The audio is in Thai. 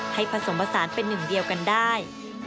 ผสมผสานเป็นหนึ่งเดียวกันได้